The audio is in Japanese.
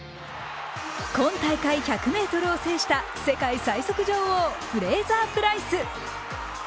今大会１００ｍを制した世界最速女王・フレイザー・プライス。